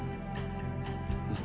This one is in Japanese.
うん。